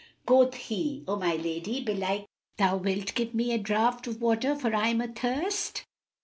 Quoth he, "O my lady, belike thou wilt give me a draught of water, for I am athirst."